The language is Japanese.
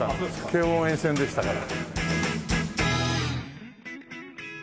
京王沿線でしたから。